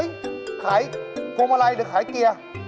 ขายพวงมาลัยหรือขายเกียร์